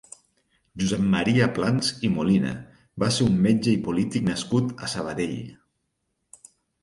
Josep Maria Plans i Molina va ser un metge i polític nascut a Sabadell.